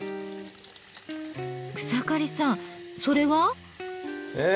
草刈さんそれは？え？